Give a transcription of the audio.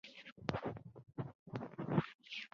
南方双带河溪螈是美国特有的一种蝾螈。